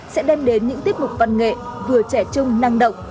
sẽ đem đến những tiếp mục văn nghệ vừa trẻ trung năng động